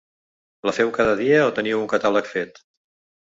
La feu cada dia o teniu un catàleg fet?